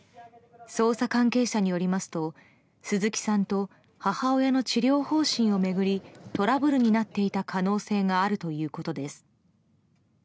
捜査関係者によりますと鈴木さんと母親の治療方針を巡りトラブルになっていた可能性があるということです。